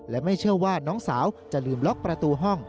และไม่เชื่อว่าน้องสาวจะลืมล็อกประตูห้อง